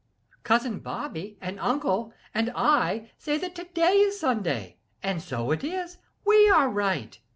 Cousin Bobby, and uncle and I say that to day is Sunday: so it is; we are right.